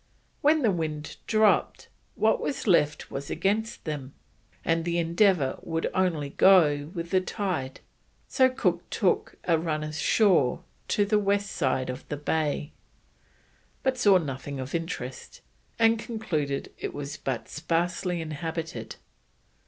When the wind dropped, what was left was against them, and the Endeavour would only go with the tide, so Cook took a run ashore to the west side of the bay, but saw nothing of interest, and concluded it was but sparsely inhabited.